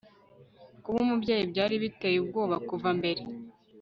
kuba umubyeyi byari biteye ubwoba kuva mbere